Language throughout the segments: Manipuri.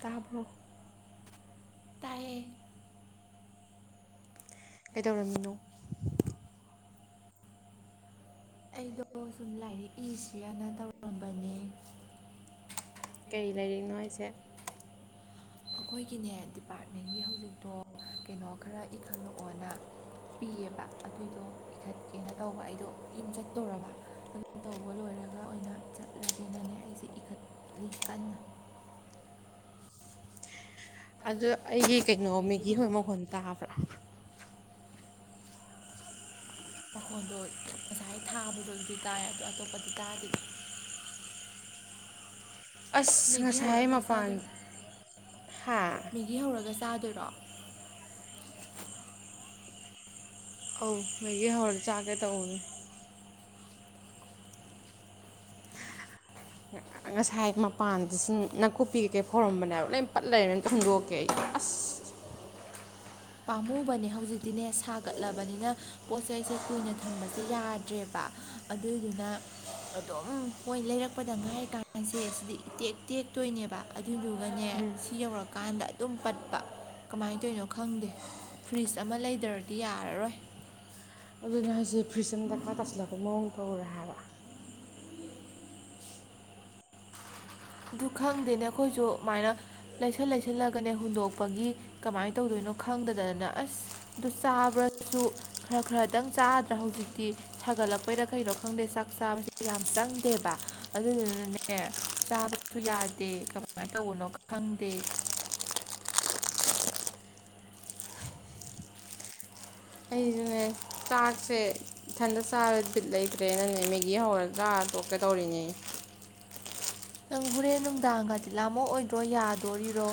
ꯇꯥꯕ꯭ꯔꯣ ꯇꯌꯦ ꯀꯩꯗꯧꯔꯝꯃꯤꯅꯣ ꯑꯩꯗꯣ ꯁꯨꯝ ꯂꯥꯏꯔꯤꯛ ꯏꯁꯤꯔꯅ ꯇꯧꯔꯝꯕꯅꯦ ꯀꯔꯤ ꯂꯥꯏꯔꯤꯛꯅꯣ ꯍꯥꯏꯁꯦ ꯑꯩꯈꯣꯏꯒꯤꯅꯦ ꯗꯤꯄꯥꯔꯠꯃꯦꯟꯒꯤ ꯍꯧꯖꯤꯛꯇꯣ ꯀꯩꯅꯣ ꯈꯔ ꯏꯈꯠꯂꯛꯑꯣꯅ ꯄꯤꯌꯦꯕ ꯑꯗꯨꯏꯗꯣ ꯏꯈꯠꯀꯦꯅ ꯇꯧꯕ ꯑꯩꯗꯣ ꯌꯨꯝ ꯆꯠꯇꯣꯔꯕ ꯑꯗꯨ ꯇꯧꯕ ꯂꯣꯏꯔꯒ ꯑꯣꯏꯅ ꯆꯠꯂꯒꯦꯅꯅꯦ ꯑꯩꯁꯦ ꯏꯈꯠꯂꯤ ꯀꯟꯅ ꯑꯗꯣ ꯑꯩꯒꯤ ꯀꯩꯅꯣ ꯃꯦꯒꯤ ꯍꯧꯕꯩ ꯃꯈꯒꯣꯜ ꯇꯥꯕ꯭ꯔꯥ ꯃꯈꯣꯜꯗꯣ ꯉꯁꯥꯏ ꯊꯥꯕꯗꯣ ꯑꯗꯨꯗꯤ ꯇꯥꯏ ꯑꯗꯣ ꯑꯇꯣꯞꯄꯗꯤ ꯇꯥꯗꯦꯗ ꯑꯁ ꯃꯦꯒꯤ ꯉꯁꯥꯏ ꯍꯧꯔꯒ ꯃꯄꯥꯟ ꯆꯥꯗꯣꯏꯔꯣ ꯍꯥ ꯃꯦꯒꯤ ꯍꯧꯔꯒ ꯆꯥꯗꯣꯏꯔꯣ ꯑꯧ ꯃꯦꯒꯤ ꯍꯧꯔ ꯆꯥꯒꯦ ꯇꯧꯕꯅꯦ ꯉꯁꯥꯏ ꯃꯄꯥꯟꯗ ꯁꯤꯡ ꯅꯥꯀꯨꯞꯄꯤ ꯀꯩꯀꯩ ꯐꯥꯎꯔꯝꯕꯅꯦ ꯍꯥꯏꯕ ꯂꯣꯏ ꯄꯠ ꯂꯩꯔꯦ ꯑꯝꯇ ꯍꯨꯟꯗꯣꯛꯀꯦ ꯑꯩ ꯑꯁ ꯄꯥꯝꯃꯨꯕꯅꯦ ꯍꯧꯖꯤꯛꯇꯤꯅꯦ ꯁꯥꯒꯠꯂꯕꯅꯤꯅ ꯄꯣꯠ ꯆꯩꯁꯦ ꯀꯨꯏꯅ ꯊꯝꯕꯁꯦ ꯌꯥꯗ꯭ꯔꯦꯕ ꯑꯗꯨꯗꯨꯅ ꯑꯗꯨꯝ ꯃꯣꯏ ꯂꯩꯔꯛꯄꯗ ꯉꯥꯏꯔꯤ ꯀꯥꯟꯁꯦ ꯁꯤꯗꯤ ꯏꯇꯦꯛ ꯇꯦꯛꯇꯣꯏꯅꯦꯕ ꯑꯗꯨꯗꯨꯒꯅꯦ ꯁꯤ ꯌꯧꯔꯀꯥꯟꯗ ꯑꯗꯨꯝ ꯄꯠꯄ ꯀꯃꯥꯏꯅ ꯇꯧꯅꯣ ꯈꯪꯗꯦ ꯐ꯭ꯔꯤꯖ ꯑꯃ ꯂꯩꯗ꯭ꯔꯗꯤ ꯌꯥꯔꯔꯣꯏ ꯑꯗꯨꯅ ꯍꯥꯏꯁꯦ ꯐ꯭ꯔꯤꯖ ꯑꯃ ꯗꯀꯥ ꯇꯥꯁꯤꯜꯂꯛꯄꯒꯤ ꯃꯑꯣꯡ ꯇꯧꯔꯦ ꯍꯥꯏꯕ ꯑꯗꯨ ꯈꯪꯗꯦꯅꯦ ꯑꯩꯈꯣꯏꯁꯨ ꯑꯗꯨꯃꯥꯏꯅ ꯂꯩꯁꯜ ꯂꯩꯁꯜꯂꯒꯅꯦ ꯍꯨꯟꯗꯣꯛꯄꯒꯤ ꯀꯃꯥꯏꯅ ꯇꯧꯗꯣꯏꯅꯣ ꯈꯪꯗꯗꯗꯅ ꯑꯁ ꯑꯗꯨ ꯆꯥꯕ꯭ꯔꯁꯨ ꯈꯔ ꯈꯔꯗꯪ ꯆꯥꯗ꯭ꯔꯥ ꯍꯧꯖꯤꯛꯇꯤ ꯁꯥꯒꯠꯂꯛꯄꯩꯔ ꯀꯩꯩꯅꯣ ꯈꯪꯗꯦ ꯆꯥꯛ ꯆꯥꯕꯁꯦ ꯌꯥꯝ ꯆꯪꯗꯦꯕ ꯑꯗꯨꯗꯨꯅꯅꯦ ꯨ ꯌꯥꯗꯦ ꯀꯃꯥꯏꯅ ꯇꯧꯕꯅꯣ ꯈꯪꯗꯦ ꯑꯩꯁꯨꯅꯦ [inaudible] ꯆꯥꯛꯁꯦ ꯏꯊꯟꯇ ꯆꯥꯕ ꯕꯤꯠ ꯂꯩꯇ꯭ꯔꯦꯅꯅꯦ ꯃꯦꯒꯤ ꯍꯧꯔꯒ ꯆꯔꯒ ꯇꯣꯛꯀꯦ ꯇꯧꯔꯤꯅꯦ ꯅꯪ ꯍꯣꯔꯦꯟ ꯅꯨꯡꯗꯥꯡꯒꯗꯤ ꯂꯥꯝꯃꯛ ꯑꯣꯏꯗ꯭ꯔꯣ ꯌꯥꯗꯣꯔꯤꯔꯣ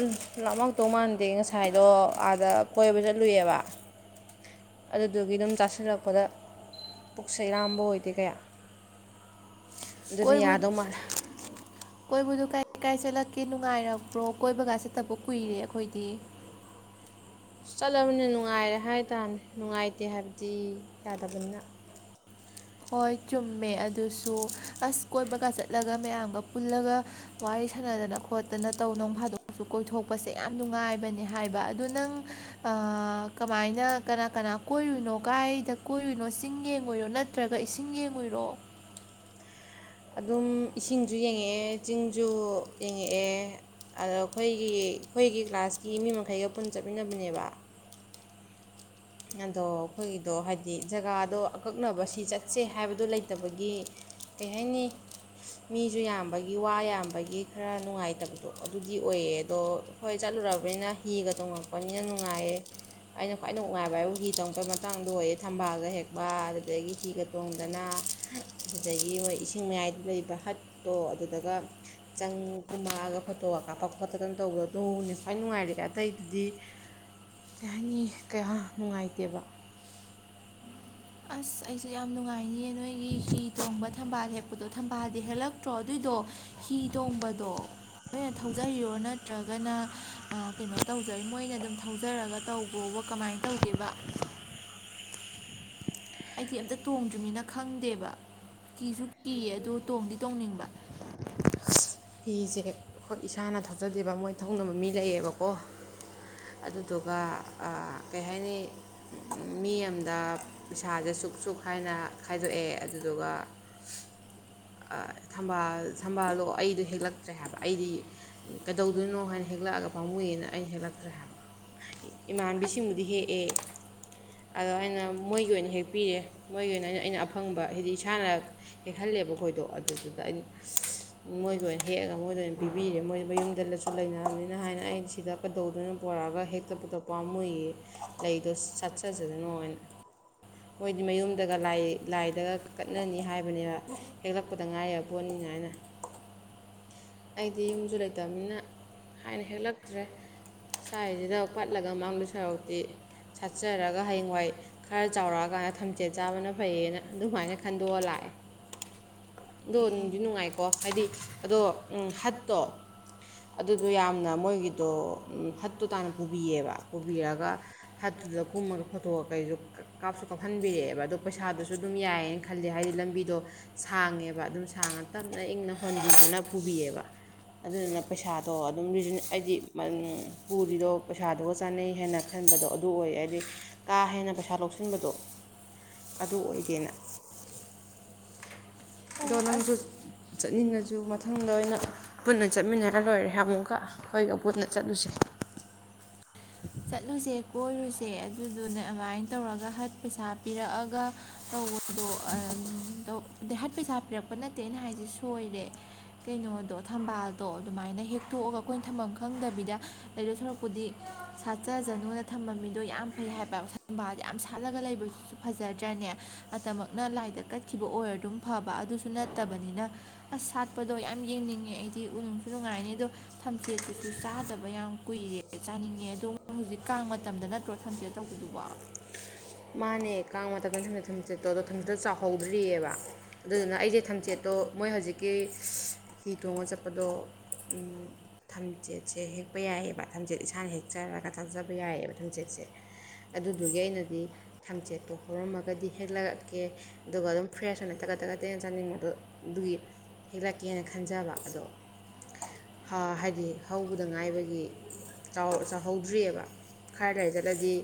ꯎꯝ ꯂꯥꯝꯃꯛꯇꯧ ꯃꯥꯟꯗꯦ ꯉꯁꯥꯏ [unintelligible] ꯑꯥꯗ ꯀꯣꯏꯕ ꯆꯠꯂꯨꯏꯌꯦꯕ ꯑꯗꯨꯗꯨꯒꯤ ꯑꯗꯨꯝ ꯆꯥꯁꯤꯜꯂꯛꯄꯗ ꯄꯨꯛꯁꯦ ꯂꯥꯝꯕ ꯑꯣꯏꯗꯦ ꯀꯌꯥ ꯗꯨꯅ ꯀꯣꯏꯕ ꯌꯥꯗꯧ ꯃꯥꯜꯂꯦ ꯀꯣꯏꯕꯗꯣ ꯀꯥꯏ ꯀꯥꯏ ꯆꯠꯂꯛꯀꯦ ꯅꯨꯡꯉꯥꯏꯔꯛꯄ꯭ꯔꯣ ꯀꯣꯏꯕꯒ ꯆꯠꯇꯕ ꯀꯨꯏꯔꯦ ꯑꯩꯈꯣꯏꯗꯤ ꯆꯠꯂꯕꯅꯤꯅ ꯅꯨꯡꯉꯥꯏꯔꯦ ꯍꯥꯏ ꯇꯥꯝꯅꯦ ꯅꯨꯡꯉꯥꯏꯇꯦ ꯍꯥꯏꯕꯗꯤ ꯌꯥꯗꯕꯅꯤꯅ ꯍꯣꯏ ꯆꯨꯝꯃꯦ ꯑꯗꯨꯁꯨ ꯑꯁ ꯀꯣꯏꯕꯒ ꯆꯠꯂꯒ ꯃꯌꯥꯝꯒ ꯄꯨꯜꯂꯒ ꯋꯥꯔꯤ ꯁꯥꯟꯅꯗꯅ ꯈꯣꯠꯇꯅ ꯇꯧ ꯅꯣꯡ ꯐꯥꯗꯣꯛꯑꯁꯨ ꯀꯣꯏꯊꯣꯛꯄꯁꯦ ꯌꯥꯝ ꯅꯨꯡꯉꯥꯏꯕꯅꯦ ꯍꯥꯏꯕ ꯑꯗꯨ ꯅꯪ ꯑꯥ ꯀꯃꯥꯏꯅ ꯀꯅꯥ ꯀꯅꯥ ꯀꯣꯏꯔꯨꯏꯅꯣ ꯀꯥꯏꯗ ꯀꯣꯏꯔꯨꯅꯣ ꯆꯤꯡ ꯌꯦꯡꯉꯨꯏꯔꯣ ꯅꯠ ꯅꯠꯇ꯭ꯔꯒ ꯏꯁꯤꯡ ꯌꯦꯡꯉꯨꯏꯔꯣ ꯑꯗꯨꯝ ꯎꯝ ꯏꯁꯤꯡꯁꯨ ꯌꯦꯡꯉꯛꯑꯦ ꯆꯤꯡꯁꯨ ꯌꯦꯡꯉꯛꯑꯦ ꯑꯗꯣ ꯑꯩꯈꯣꯏ ꯑꯩꯈꯣꯏꯒꯤ ꯀ꯭ꯂꯥꯁꯀꯤ ꯃꯤ ꯃꯈꯩꯒ ꯄꯨꯟ ꯆꯠꯃꯤꯟꯅꯕꯅꯦꯕ ꯑꯗꯣ ꯑꯩꯈꯣꯏꯒꯤꯗꯣ ꯍꯥꯏꯗꯤ ꯖꯒꯥꯗꯣ ꯑꯀꯛꯅꯕ ꯁꯤ ꯆꯠꯁꯦ ꯍꯥꯏꯕꯗꯣ ꯂꯩꯇꯕꯒꯤ ꯀꯩ ꯍꯥꯏꯅꯤ ꯃꯤꯁꯨ ꯌꯥꯝꯕꯒꯤ ꯋꯥ ꯌꯥꯝꯕꯒꯤ ꯈꯔ ꯅꯨꯡꯉꯥꯏꯇꯕꯗꯣ ꯑꯗꯨꯗꯤ ꯑꯣꯏꯌꯦ ꯑꯗꯣ ꯍꯣꯏ ꯆꯠꯂꯨꯔꯕꯅꯤꯅ ꯍꯤꯒ ꯇꯣꯡꯉꯛꯄꯅꯤꯅ ꯅꯨꯡꯉꯥꯏꯌꯦ ꯑꯩꯅ ꯈ꯭ꯋꯥꯏ ꯅꯨꯡꯉꯥꯏꯕ ꯍꯥꯏꯕꯨ ꯍꯤ ꯇꯣꯡꯉꯛꯄꯩ ꯃꯇꯥꯡꯗꯣ ꯑꯣꯏꯌꯦ ꯊꯝꯕꯥꯜꯒ ꯍꯦꯛꯄ ꯑꯗꯨꯗꯒꯤ ꯍꯤꯒ ꯇꯣꯡꯗꯅ ꯑꯗꯨꯗꯒꯤ ꯃꯣꯏ ꯏꯁꯤꯡ ꯃꯌꯥꯏꯗ ꯂꯩꯕ ꯍꯠꯇꯣ ꯑꯗꯨꯗꯒ ꯆꯪ ꯀꯨꯝꯃꯛꯑꯒ ꯐꯣꯇꯣꯒ ꯀꯥꯞꯄꯛ ꯈꯣꯠꯇꯅ ꯇꯧꯕꯗꯣ ꯑꯗꯨꯅ ꯈ꯭ꯋꯥꯏ ꯅꯨꯡꯉꯥꯏꯔꯦ ꯑꯇꯩꯗꯨꯗꯤ ꯀꯩ ꯍꯥꯏꯅꯤ ꯀꯌꯥ ꯅꯨꯡꯉꯥꯏꯇꯦꯕ ꯑꯁ ꯑꯩꯁꯨ ꯌꯥꯝ ꯅꯨꯡꯉꯥꯏꯅꯤꯌꯦꯅ ꯅꯣꯏꯒꯤ ꯍꯤ ꯇꯣꯡꯕ ꯊꯝꯕꯥꯜ ꯍꯦꯛꯄꯗꯣ ꯊꯝꯕꯥꯜꯗꯤ ꯍꯦꯜꯂꯛꯇ꯭ꯔꯣ ꯑꯗꯨꯒꯤꯗꯣ ꯍꯤ ꯇꯣꯡꯕꯗꯣ ꯅꯣꯏꯅ ꯊꯧꯖꯔꯤꯔꯣ ꯅꯠꯇ꯭ꯔꯒ ꯅꯣꯏꯅ ꯑꯥ ꯀꯩꯅꯣ ꯇꯧꯖꯩ ꯃꯣꯏꯅ ꯑꯗꯨꯝ ꯊꯧꯖꯔꯒ ꯇꯧꯕ꯭ꯔꯣꯕ ꯀꯃꯥꯏꯅ ꯇꯧꯒꯦꯕ ꯑꯩꯗꯤ ꯑꯝꯇ ꯇꯣꯡꯗ꯭ꯔꯤꯕꯅꯤꯅ ꯈꯪꯗꯦꯕ ꯀꯤꯁꯨ ꯀꯤꯌꯦ ꯑꯗꯣ ꯇꯣꯡꯗꯤ ꯇꯣꯡꯅꯤꯡꯕ ꯍꯤꯁꯦ ꯑꯩꯈꯣꯏ ꯏꯁꯥꯅ ꯊꯧꯖꯗꯦꯕ ꯃꯣꯏ ꯊꯧꯅꯕ ꯃꯤ ꯂꯩꯌꯦꯕꯀꯣ ꯑꯗꯨꯗꯨꯒ ꯀꯩ ꯍꯥꯏꯅꯤ ꯃꯤ ꯑꯃꯗ ꯄꯩꯁꯥꯁꯦ ꯁꯨꯛ ꯁꯨꯛ ꯍꯥꯏꯅ ꯈꯥꯏꯗꯣꯛꯑꯦ ꯑꯗꯨꯗꯨꯒ ꯊꯝꯕꯥꯜ ꯊꯝꯕꯥꯜ ꯂꯣ ꯑꯩꯗꯣ ꯍꯦꯛꯂꯛꯇ꯭ꯔꯦ ꯍꯥꯏꯕ ꯑꯩꯗꯤ ꯀꯩꯗꯧꯗꯣꯏꯅꯣ ꯍꯥꯏꯅ ꯍꯦꯛꯂꯛꯑꯒ ꯄꯥꯝꯃꯨꯏꯅ ꯑꯩ ꯍꯦꯛꯂꯛꯇ꯭ꯔꯦ ꯍꯥꯏꯕ ꯏꯃꯥꯟꯕꯤꯁꯤꯡꯕꯨꯗꯤ ꯍꯦꯛꯑꯦ ꯑꯗꯣ ꯑꯩꯅ ꯃꯣꯏꯒꯤ ꯑꯣꯏꯅ ꯍꯦꯛꯄꯤꯔꯦ ꯃꯣꯏꯒꯤ ꯑꯣꯏꯅ ꯑꯩꯅ ꯑꯩꯅ ꯑꯐꯪꯕ ꯍꯥꯏꯗꯤ ꯏꯁꯥꯅ ꯍꯦꯛꯍꯜꯂꯦꯕ ꯑꯩꯈꯣꯏꯗꯣ ꯑꯗꯨꯗꯨꯗ ꯑꯩꯅ ꯃꯣꯏꯗ ꯑꯣꯏꯅ ꯍꯦꯛꯑꯒ ꯃꯣꯏꯗ ꯑꯣꯏꯅ ꯄꯤꯕꯤꯔꯦ ꯃꯣꯏ ꯃꯌꯨꯝꯗꯁꯨ ꯂꯩꯅꯔꯕꯅꯤꯅ ꯍꯥꯏꯅ ꯑꯩ ꯁꯤꯗ ꯀꯩꯗꯧꯗꯣꯏꯅꯣ ꯄꯨꯔꯛꯑꯒ ꯍꯦꯛꯛꯇꯄꯗꯣ ꯄꯥꯝꯃꯨꯏꯑꯦ ꯂꯩꯗꯣ ꯆꯠꯆꯖꯅꯣ ꯍꯥꯏꯅ ꯃꯣꯏꯗꯤ ꯃꯌꯨꯝꯗꯒꯥ ꯂꯥꯏꯗꯒ ꯀꯠꯅꯅꯤ ꯍꯥꯏꯕꯅꯦꯕ ꯍꯦꯛꯂꯛꯄꯗ ꯉꯥꯏꯕ ꯄꯣꯠꯅꯤꯅ ꯍꯥꯏꯅ ꯑꯩꯗꯤ ꯌꯨꯝꯁꯨ ꯂꯩꯇꯕꯅꯤꯅ ꯍꯥꯏꯅ ꯍꯦꯛꯂꯛꯇ꯭ꯔꯦ ꯁꯥꯏꯁꯤꯗ ꯄꯠꯂꯒ ꯃꯥꯡꯗꯣ ꯁꯔꯨꯛꯄꯨꯗꯤ ꯁꯥꯠꯆꯔꯒ ꯍꯌꯦꯡꯋꯥꯏ ꯈꯔ ꯆꯥꯎꯔꯛꯑꯀꯥꯟꯗ ꯊꯝꯆꯦꯠ ꯆꯥꯕꯅ ꯐꯩꯌꯦꯅ ꯑꯗꯨꯃꯥꯏꯅ ꯈꯟꯗꯣꯛꯑ ꯂꯥꯛꯑꯦ ꯑꯗꯣ ꯑꯦ ꯅꯨꯡꯗꯤ ꯅꯨꯡꯉꯥꯏ ꯑꯣ ꯍꯥꯏꯗꯤ ꯑꯗꯣ ꯍꯠꯇꯣ ꯑꯗꯨꯗꯣ ꯌꯥꯝꯅ ꯃꯣꯏꯒꯤꯗꯣ ꯍꯠꯇꯣ ꯇꯥꯅ ꯄꯨꯕꯤꯌꯦꯕ ꯄꯨꯕꯤꯔꯒ ꯍꯠꯇꯨꯗ ꯀꯨꯝꯃꯒ ꯐꯣꯇꯣ ꯀꯩꯁꯨ ꯀꯥꯞꯁꯨ ꯀꯥꯞꯍꯟꯕꯤꯔꯛꯑꯦꯕ ꯑꯗꯣ ꯄꯩꯁꯥꯗꯨꯁꯨ ꯑꯗꯨꯝ ꯌꯥꯏꯌꯦꯅ ꯈꯜꯂꯦ ꯍꯥꯏꯗꯤ ꯂꯝꯕꯤꯗꯣ ꯁꯥꯡꯉꯦꯕ ꯑꯗꯨꯝ ꯁꯥꯡꯉ ꯇꯞꯅ ꯏꯪꯅ ꯍꯣꯟꯕꯤꯗꯨꯅ ꯄꯨꯕꯤꯌꯦꯕ ꯑꯗꯨꯗꯨꯅ ꯄꯩꯁꯥꯗꯣ ꯑꯗꯨꯝ ꯍꯥꯏꯗꯤ ꯄꯨꯔꯤꯗꯣ ꯄꯩꯁꯥꯗꯨꯒ ꯆꯥꯅꯩ ꯍꯥꯏꯅ ꯈꯟꯕꯗꯣ ꯑꯗꯨ ꯑꯣꯏ ꯍꯥꯏꯗꯤ ꯀꯥ ꯍꯦꯟꯅ ꯄꯩꯁꯥ ꯂꯧꯁꯤꯟꯕꯗꯣ ꯑꯗꯨ ꯑꯣꯏꯗꯦꯅ ꯑꯗꯣ ꯑꯣ ꯅꯪꯁꯨ ꯑꯁ ꯆꯠꯅꯤꯡꯉꯁꯨ ꯃꯊꯪꯗ ꯑꯣꯏꯅ ꯄꯨꯟꯅ ꯆꯠꯃꯤꯟꯅꯔ ꯂꯣꯏꯔꯦ ꯑꯃꯨꯛꯀ ꯑꯩꯈꯣꯏꯒ ꯄꯨꯟꯅ ꯆꯠꯂꯨꯁꯦ ꯆꯠꯂꯨꯁꯦ ꯀꯣꯏꯔꯨꯁꯦ ꯑꯗꯨꯗꯨꯅ ꯑꯗꯨꯃꯥꯏꯅ ꯇꯧꯔꯒ ꯍꯠ ꯄꯩꯁꯥ ꯄꯤꯔꯛꯑꯒ ꯇꯧꯕꯗꯣ ꯍꯠ ꯄꯩꯁꯥ ꯄꯤꯔꯛꯄ ꯅꯠꯇꯦ ꯑꯩꯅ ꯍꯥꯏꯁꯦ ꯁꯣꯏꯔꯦ ꯀꯩꯅꯣꯗꯣ ꯊꯝꯕꯥꯜꯗꯣ ꯑꯗꯨꯃꯥꯏꯅ ꯍꯦꯛꯛꯇꯣꯛꯑꯒ ꯑꯩꯈꯣꯏꯅ ꯊꯝꯐꯝ ꯈꯪꯗꯕꯤꯗ ꯂꯩꯗꯣꯏ ꯁꯔꯨꯛꯄꯨꯗꯤ ꯁꯥꯠꯆꯖꯅꯨꯅ ꯊꯝꯕ ꯃꯤꯗꯣ ꯌꯥꯝ ꯐꯩ ꯍꯥꯏꯕ ꯊꯝꯕꯥꯜꯗꯣ ꯌꯥꯝ ꯁꯥꯠꯂꯒ ꯂꯩꯕꯗꯨꯁꯨ ꯐꯖꯗ꯭ꯔꯅꯦ ꯃꯇꯝꯃꯛꯅ ꯂꯥꯏꯗ ꯀꯠꯈꯤꯕ ꯑꯣꯏꯔ ꯑꯗꯨꯝ ꯐꯕ ꯑꯗꯨꯁꯨ ꯅꯠꯇꯕꯅꯤꯅ ꯑꯁ ꯁꯥꯠꯄꯗꯣ ꯌꯥꯝ ꯌꯦꯡꯅꯤꯡꯉꯦ ꯑꯩꯗꯤ ꯅꯨꯡꯁꯨ ꯅꯨꯡꯉꯥꯏꯅꯤ ꯑꯗꯣ ꯊꯝꯆꯦꯠꯇꯨꯁꯨ ꯆꯥꯗꯕ ꯌꯥꯝ ꯀꯨꯏꯔꯦ ꯆꯥꯅꯤꯡꯉꯦ ꯑꯗꯨ ꯍꯧꯖꯤꯛ ꯀꯥꯡ ꯃꯇꯝꯗ ꯅꯠꯇ꯭ꯔꯣ ꯊꯝꯆꯦꯠ ꯇꯧꯕꯗꯨꯕꯣ ꯃꯥꯅꯦ ꯀꯥꯡ ꯃꯇꯝꯗ ꯊꯨꯝꯅ ꯊꯨꯝꯆꯦꯠꯇꯣ ꯑꯗꯣ ꯊꯝꯆꯦꯠ ꯆꯥꯎꯍꯧꯗ꯭ꯔꯤꯑꯕ ꯑꯗꯨꯗꯨꯅ ꯑꯩꯁꯦ ꯊꯝꯆꯦꯠꯇꯣ ꯃꯣꯏ ꯍꯧꯖꯤꯛꯀꯤ ꯍꯤ ꯊꯣꯡꯉꯒ ꯆꯠꯄ ꯑꯗꯣ ꯊꯝꯆꯦꯠꯁꯦ ꯍꯦꯛꯄ ꯌꯥꯏꯑꯕ ꯊꯝꯆꯦꯠꯁꯦ ꯏꯁꯥꯅ ꯍꯦꯛꯆꯔꯒ ꯆꯥꯖꯕ ꯌꯥꯏꯑꯕ ꯊꯝꯆꯦꯠꯁꯦ ꯑꯗꯨꯗꯨꯒꯤ ꯑꯩꯅꯗꯤ ꯊꯝꯆꯦꯠꯇꯣ ꯍꯧꯔꯝꯃꯒꯗꯤ ꯍꯦꯛꯂꯛꯀꯦ ꯑꯗꯨꯒ ꯑꯗꯨꯝ ꯐ꯭ꯔꯦꯁ ꯑꯣꯏꯅ ꯇꯛꯒꯠ ꯇꯛꯒꯠ ꯇꯛꯅ ꯆꯥꯅꯤꯡꯕꯗꯣ ꯑꯗꯨꯒꯤ ꯍꯦꯛꯂꯛꯀꯦꯅ ꯈꯟꯖꯕ ꯑꯗꯣ ꯍꯥꯏꯗꯤ ꯍꯧꯕꯗ ꯉꯥꯏꯕꯒꯤ ꯆꯥꯎꯍꯧꯗ꯭ꯔꯤꯑꯕ ꯈꯔ ꯂꯩꯔ ꯆꯠꯂꯗꯤ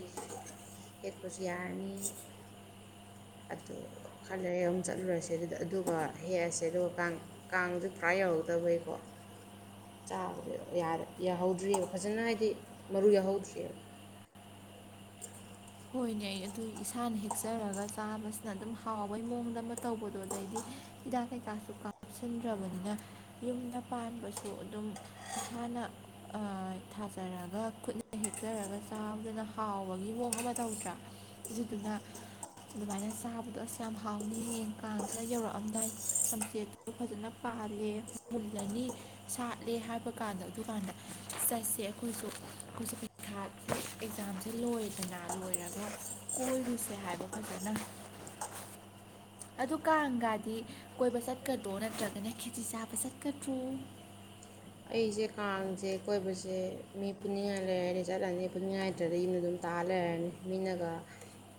ꯍꯦꯛꯄꯁꯨ ꯌꯥꯔꯅꯤ ꯑꯗꯨ ꯈꯔ ꯂꯩꯔꯒ ꯑꯃꯨꯛ ꯆꯠꯂꯨꯔꯁꯦ ꯑꯗꯨꯗ ꯑꯗꯨꯒ ꯍꯦꯛꯑꯁꯦ ꯑꯗꯨꯒ ꯀꯥꯡ ꯀꯥꯡꯗꯨ ꯄꯨꯔꯥ ꯌꯧꯍꯧꯗꯕꯩꯀꯣ ꯆꯥꯕꯗ ꯌꯥꯍꯧꯗ꯭꯭ꯔꯤꯑꯕ ꯐꯖꯅ ꯍꯥꯏꯗꯤ ꯃꯔꯨ ꯌꯥꯎꯍꯧꯗ꯭ꯔꯤꯑꯕ ꯍꯣꯏꯅꯩ ꯑꯗꯨ ꯏꯁꯥꯅ ꯍꯦꯛꯆꯔꯒ ꯆꯥꯕꯁꯤꯅ ꯑꯗꯨꯝ ꯍꯥꯎꯕꯩ ꯃꯑꯣꯡꯗ ꯑꯃ ꯇꯧꯕꯗꯣ ꯑꯗꯩꯗꯤ ꯍꯤꯗꯥꯛ ꯀꯩꯀꯥꯁꯨ ꯀꯥꯞꯁꯤꯟꯗ꯭ꯔꯕꯅꯤꯅ ꯌꯨꯝꯗ ꯄꯥꯟꯕꯁꯨ ꯑꯗꯨꯝ ꯏꯁꯥꯅ ꯊꯥꯖꯔꯒ ꯈꯨꯠꯅ ꯍꯦꯛꯆꯔꯒ ꯆꯥꯕꯗꯨꯅ ꯍꯥꯎꯕꯒꯤ ꯃꯑꯣꯡ ꯑꯃ ꯇꯧꯗ꯭ꯔꯥ ꯑꯗꯨꯗꯨꯅ ꯑꯗꯨꯃꯥꯏꯅ ꯆꯥꯕꯗꯣ ꯑꯁ ꯌꯥꯝ ꯍꯥꯎꯅꯤ ꯌꯦ ꯀꯥꯡ ꯈꯔ ꯌꯧꯔꯛꯑꯝꯗꯥꯏ ꯊꯝꯆꯦꯠꯇꯨ ꯐꯖꯅ ꯄꯥꯜꯂꯦ ꯃꯨꯜꯂꯅꯤ ꯁꯥꯠꯂꯦ ꯍꯥꯏꯕ ꯀꯥꯟꯗ ꯑꯗꯨꯀꯥꯟꯗ ꯆꯠꯁꯦ ꯑꯩꯈꯣꯏꯁꯨ ꯑꯩꯈꯣꯏꯁꯨ ꯄꯔꯤꯈꯥ ꯑꯦꯛꯖꯥꯝꯁꯨ ꯂꯣꯏꯔꯦꯗꯅ ꯂꯣꯏꯔꯒ ꯀꯣꯏꯔꯨꯁꯦ ꯍꯥꯏꯕ ꯅꯇꯦꯗ ꯑꯗꯨ ꯀꯥꯡꯒꯗꯤ ꯀꯣꯏꯕ ꯆꯠꯀꯗ꯭ꯔꯣ ꯅꯠꯇ꯭ꯔꯒꯅ ꯈꯦꯆꯤ ꯆꯥꯕ ꯆꯠꯀꯗ꯭ꯔꯣ ꯑꯩꯁꯦ ꯀꯥꯡꯁꯦ ꯀꯣꯏꯕꯁꯦ ꯃꯤ ꯄꯨꯅꯤꯡꯉꯥꯏ ꯂꯩꯔꯅꯤ ꯆꯠꯂꯅꯤ ꯄꯨꯅꯤꯡꯉꯥꯏ ꯂꯩꯇ꯭ꯔꯗꯤ ꯌꯨꯝꯅ ꯑꯗꯨꯝ ꯇꯥꯔ ꯂꯩꯔꯅꯤ ꯃꯤꯅꯒ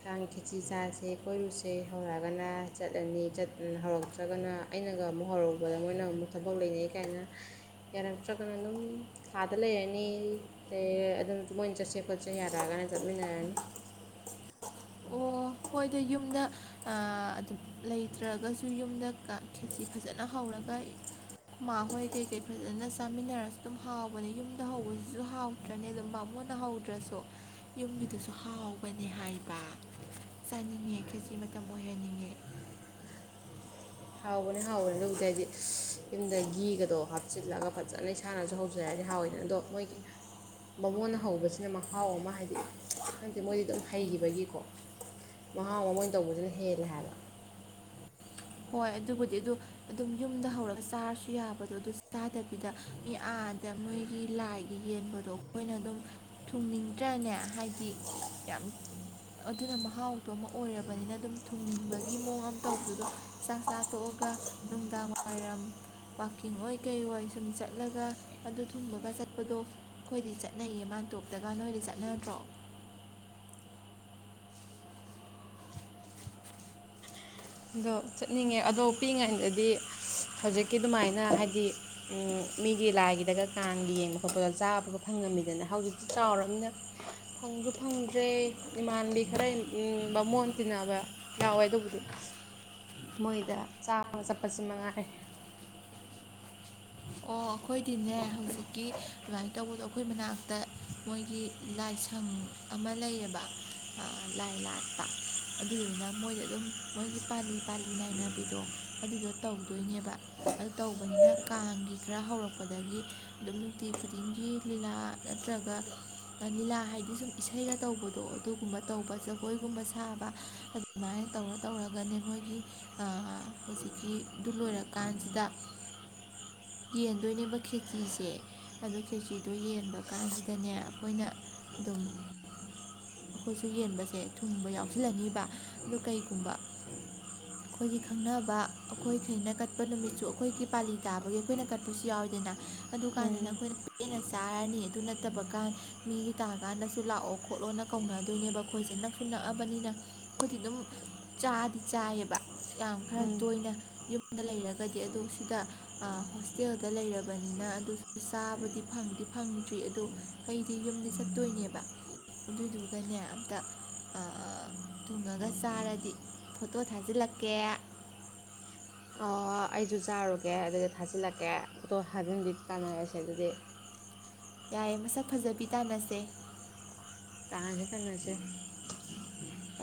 ꯀꯥꯡ ꯈꯦꯆꯤ ꯆꯥꯁꯦ ꯀꯣꯏꯔꯨꯁꯦ ꯍꯧꯔꯛꯑꯒꯅ ꯆꯠꯂꯅꯤ ꯍꯧꯔꯛꯇ꯭ꯔꯒꯅ ꯑꯩꯅꯒ ꯑꯃꯨꯛ ꯍꯧꯔꯨꯕꯗ ꯃꯣꯏꯅ ꯑꯃꯨꯛ ꯊꯕꯛ ꯂꯩꯅꯩ ꯀꯥꯏꯅ ꯌꯥꯔꯛꯇ꯭ꯔꯒꯅ ꯑꯗꯨꯝ ꯀꯥꯗ ꯂꯩꯔꯅꯤ ꯑꯗꯨꯃ ꯃꯣꯏꯅ ꯆꯠꯁꯦ ꯈꯣꯠꯁꯦ ꯌꯥꯔꯛꯑꯒꯅ ꯆꯠꯃꯤꯟꯅꯔꯅꯤ ꯑꯣ ꯍꯣꯏꯗ ꯌꯨꯝꯗ ꯑꯗꯨꯝ ꯂꯩꯇ꯭ꯔꯒꯁꯨ ꯌꯨꯝꯗ ꯈꯦꯖꯤ ꯐꯖꯅ ꯍꯧꯔꯒ ꯈꯨꯃꯥ ꯍꯣꯏ ꯀꯩꯀꯩ ꯐꯖꯅ ꯆꯥꯃꯤꯟꯅꯔꯁꯨ ꯑꯗꯨꯝ ꯍꯥꯎꯕꯅꯦ ꯌꯨꯝꯗ ꯍꯧꯕꯁꯤꯁꯨ ꯍꯥꯎꯗ꯭ꯔꯅꯤ ꯑꯗꯨꯝ ꯕꯥꯃꯣꯟꯅ ꯍꯧꯗ꯭ꯔꯁꯨ ꯌꯨꯝꯒꯤꯗꯨꯁꯨ ꯍꯥꯎꯕꯅꯤ ꯍꯥꯏꯕ ꯆꯥꯅꯤꯡꯉꯦ ꯈꯦꯆꯤ ꯃꯇꯝ ꯑꯣꯏꯍꯟꯅꯤꯡꯉꯦ ꯍꯥꯎꯕꯅꯤ ꯍꯥꯎꯕꯅꯤ ꯑꯗꯨꯕꯨꯗꯤ ꯍꯥꯏꯗꯤ ꯌꯨꯝꯗ ꯘꯤꯒꯗꯣ ꯍꯥꯞꯆꯤꯜꯂꯒ ꯐꯖꯅ ꯏꯁꯥꯅꯁꯨ ꯍꯧꯖꯔꯗꯤ ꯍꯥꯏꯗꯤ ꯍꯥꯎꯋꯤꯗꯅ ꯑꯗꯣ ꯃꯣꯏꯒꯤ ꯕꯥꯃꯣꯟꯅ ꯍꯧꯕꯁꯤꯅ ꯃꯍꯥꯎ ꯑꯃ ꯍꯥꯏꯗꯤ ꯈꯪꯗꯦ ꯃꯣꯏꯗꯤ ꯑꯗꯨꯝ ꯍꯩꯈꯤꯕꯒꯤꯀꯣ ꯃꯍꯥꯎ ꯑꯃ ꯃꯣꯏꯅ ꯇꯧꯕꯁꯤꯅ ꯍꯦꯜꯂꯦ ꯍꯥꯏꯕ ꯍꯣꯏ ꯑꯗꯨꯕꯨꯗꯤ ꯑꯗꯨ ꯑꯗꯨꯝ ꯌꯨꯝꯗ ꯍꯧꯔꯒ ꯆꯥꯔꯁꯨ ꯌꯥꯕꯗꯣ ꯑꯗꯨ ꯆꯥꯗꯕꯤꯗ ꯑꯥꯗ ꯃꯣꯏꯒꯤ ꯂꯥꯏꯒꯤ ꯌꯦꯟꯕꯗꯣ ꯑꯩꯈꯣꯏꯅ ꯑꯗꯨꯝ ꯊꯨꯡꯅꯤꯡꯗ꯭ꯔꯅꯦ ꯍꯥꯏꯗꯤ ꯌꯥꯝ ꯑꯗꯨꯅ ꯃꯍꯥꯎꯗꯣ ꯑꯃ ꯑꯣꯏꯔꯕꯅꯤꯅ ꯑꯗꯨꯝ ꯊꯨꯡꯅꯤꯡꯕꯒꯤ ꯃꯑꯣꯡ ꯑꯃ ꯇꯧꯕꯗꯣ ꯆꯥꯛ ꯆꯥ ꯇꯣꯛꯑꯒ ꯅꯨꯡꯗꯥꯡ ꯋꯥꯏꯔꯝ ꯋꯥꯛꯀꯤꯡ ꯑꯣꯏ ꯀꯩ ꯑꯣꯏ ꯁꯨꯝ ꯆꯠꯂꯒ ꯑꯗꯨ ꯊꯨꯝꯕꯒ ꯆꯠꯄꯗꯣ ꯑꯩꯈꯣꯏꯗꯤ ꯆꯠꯅꯩꯌꯦ ꯃꯥꯥꯟꯇꯣꯞꯇꯒ ꯅꯣꯏꯗꯤ ꯆꯠꯅꯗ꯭ꯔꯣ ꯑꯗꯣ ꯆꯠꯅꯤꯡꯉꯦ ꯑꯗꯣ ꯄꯤꯛꯏꯉꯥꯏꯗꯗꯤ ꯍꯧꯖꯤꯛꯀꯤ ꯑꯗꯨꯃꯥꯏꯅ ꯍꯥꯏꯗꯤ ꯃꯤꯒꯤ ꯂꯥꯏꯒꯤꯗꯒ ꯀꯥꯡꯒꯤ ꯌꯦꯡꯕ ꯈꯣꯠꯄꯗ ꯆꯥꯕꯕ ꯐꯪꯉꯝꯃꯤꯗꯅ ꯍꯧꯖꯤꯛꯇꯤ ꯆꯥꯎꯔꯕꯅꯤꯅ ꯐꯪꯁꯨ ꯐꯪꯗ꯭ꯔꯦ ꯏꯃꯥꯟꯕꯤ ꯈꯔ ꯕꯥꯃꯣꯟ ꯇꯤꯟꯅꯕ ꯌꯥꯎꯋꯦ ꯑꯗꯨꯕꯨꯗꯤ ꯃꯣꯏꯗ ꯆꯥꯕ ꯆꯠꯄꯁꯤ ꯃꯉꯥꯏꯔꯦ ꯑꯣ ꯑꯩꯈꯣꯏꯗꯤꯅꯦ ꯍꯧꯖꯤꯛꯀꯤ ꯑꯗꯨꯃꯥꯏꯅ ꯇꯧꯕꯗꯣ ꯑꯩꯈꯣꯏ ꯃꯅꯥꯛꯇ ꯃꯣꯏꯒꯤ ꯂꯥꯏꯁꯪ ꯑꯃ ꯂꯩꯌꯦꯕ ꯂꯥꯏ ꯂꯥꯠꯄ ꯑꯗꯨꯗꯨꯅ ꯃꯣꯏꯗ ꯑꯗꯨꯝ ꯃꯣꯏꯒꯤ ꯄꯥꯜꯂꯤ ꯄꯥꯜꯂꯤ ꯅꯥꯏꯅꯕꯤꯗꯣ ꯑꯗꯨꯗꯣ ꯇꯧꯗꯣꯏꯅꯦꯕ ꯑꯗꯨ ꯇꯧꯕꯅꯤꯅ ꯀꯥꯡꯒꯤ ꯈꯔ ꯍꯧꯔꯛꯄꯗꯒꯤ ꯑꯗꯨꯝ ꯅꯨꯡꯇꯤ ꯈꯨꯗꯤꯡꯒꯤ ꯂꯤꯂꯥ ꯅꯠꯇ꯭ꯔꯒ ꯂꯤꯂꯥ ꯍꯥꯏꯗꯤ ꯁꯨꯝ ꯏꯁꯩꯒ ꯇꯧꯕꯗꯣ ꯑꯗꯨꯒꯨꯝꯕ ꯇꯧꯕ ꯖꯒꯣꯏꯒꯨꯝꯕ ꯁꯥꯕ ꯑꯗꯨꯃꯥꯏꯅ ꯇꯧꯔ ꯇꯧꯔꯒꯅꯦ ꯃꯣꯏꯒꯤ ꯍꯧꯖꯤꯛꯀꯤꯗꯨ ꯂꯣꯏꯔꯀꯥꯟꯁꯤꯗ ꯌꯦꯟꯗꯣꯏꯅꯦꯕ ꯈꯦꯆꯤꯁꯦ ꯑꯗꯨ ꯈꯦꯆꯤꯗꯣ ꯌꯦꯟꯕ ꯀꯥꯟꯁꯤꯗꯅꯦ ꯑꯩꯈꯣꯏꯅ ꯑꯗꯨꯝ ꯑꯩꯈꯣꯏꯁꯨ ꯌꯦꯟꯕꯁꯦ ꯊꯨꯡꯕ ꯌꯥꯎꯁꯤꯜꯂꯅꯤꯕ ꯑꯗꯨ ꯀꯩꯒꯨꯝꯕ ꯑꯩꯈꯣꯏꯒꯤ ꯈꯪꯅꯕ ꯑꯩꯈꯣꯏꯈꯩꯏꯅ ꯀꯠꯄ ꯅꯨꯃꯤꯠꯇꯁꯨ ꯑꯩꯈꯣꯏꯒꯤ ꯄꯥꯂꯤ ꯇꯥꯕꯒꯤ ꯑꯩꯈꯣꯏꯅ ꯀꯠꯄꯁꯨ ꯌꯥꯎꯋꯤꯗꯅ ꯑꯗꯨ ꯀꯥꯟꯗ ꯎꯝ ꯑꯩꯈꯣꯏꯅ ꯄꯦꯟꯅ ꯆꯥꯔꯅꯤ ꯑꯗꯨ ꯅꯠꯇꯕꯀꯥꯟ ꯃꯤꯒꯤ ꯇꯥꯀꯥꯟꯗꯁꯨ ꯂꯥꯛꯑꯣ ꯈꯣꯠꯂꯣꯅ ꯀꯧꯅꯗꯣꯏꯅꯦꯕ ꯑꯩꯈꯣꯏꯁꯦ ꯅꯛꯁꯨ ꯅꯛꯑꯕꯅꯤꯅ ꯑꯩꯈꯣꯏꯗꯤ ꯑꯗꯨꯝ ꯆꯥꯗꯤ ꯆꯥꯏꯌꯦꯕ ꯌꯥꯝ ꯈꯔ ꯎꯝ ꯇꯣꯏꯅ ꯌꯨꯝꯗ ꯂꯩꯔꯒꯗꯤ ꯑꯗꯨ ꯁꯤꯗ ꯑꯥ ꯍꯣꯁꯇꯦꯜꯗ ꯂꯩꯔꯕꯅꯤꯅ ꯑꯗꯨꯁꯨ ꯆꯥꯕꯨꯗꯤ ꯐꯪꯗꯤ ꯐꯪꯗ꯭ꯔꯤ ꯑꯗꯨ ꯑꯩꯗꯤ ꯌꯨꯝꯗꯤ ꯆꯠꯇꯣꯏꯅꯦꯕ ꯑꯗꯨꯏꯗꯨꯒꯅꯦ ꯑꯝꯇ ꯑꯥ ꯊꯣꯉꯒ ꯆꯥꯔꯗꯤ ꯐꯣꯇꯣ ꯊꯥꯖꯤꯜꯂꯛꯀꯦ ꯑꯣ ꯑꯩꯁꯨ ꯆꯥꯔꯨꯒꯦ ꯑꯗꯨꯗ ꯊꯥꯖꯤꯜꯂꯛꯀꯦ ꯐꯣꯇꯣ ꯊꯥꯖꯤꯟꯕꯤ ꯇꯥꯟꯅꯔꯁꯦ ꯑꯗꯨꯗꯤ ꯌꯥꯏꯌꯦ ꯃꯁꯛ ꯐꯖꯕꯤ ꯇꯥꯅꯁꯦ ꯇꯥꯟꯒꯔꯦ ꯀꯩꯅꯣꯁꯦ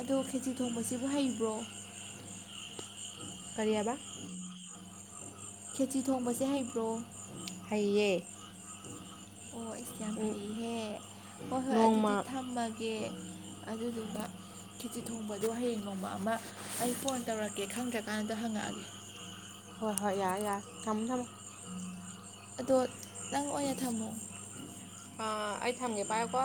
ꯑꯗꯣ ꯈꯦꯆꯤ ꯊꯣꯡꯕꯁꯤꯕꯨ ꯍꯩꯕ꯭ꯔꯣ ꯀꯔꯤ ꯍꯥꯏꯕ ꯈꯦꯆꯤ ꯊꯣꯡꯕꯁꯦ ꯍꯩꯕ꯭ꯔꯣ ꯍꯩꯌꯦ ꯑꯣ ꯑꯩꯁ ꯌꯥꯝ ꯍꯩꯍꯦ ꯍꯣꯏ ꯍꯣꯏ ꯅꯣꯡꯃ ꯑꯗꯨꯗꯤ ꯊꯝꯃꯒꯦ ꯑꯗꯨꯗꯨꯒ ꯈꯤꯆꯤ ꯊꯣꯡꯕꯗꯣ ꯍꯌꯦꯡ ꯅꯣꯡꯃ ꯑꯃ ꯑꯩ ꯐꯣꯟ ꯇꯧꯔꯛꯀꯦ ꯈꯪꯗ꯭ꯔꯀꯥꯟꯗꯣ ꯍꯪꯉꯛꯑꯒꯦ ꯍꯣꯏ ꯍꯣꯏ ꯌꯥꯏ ꯌꯥꯏ ꯊꯝꯃꯣ ꯊꯝꯃꯣ ꯑꯗꯣ ꯅꯪ ꯑꯣꯏꯅ ꯊꯝꯃꯣ ꯐꯥ ꯑꯩ ꯊꯝꯒꯦ ꯄꯥꯏꯑꯣꯀꯣ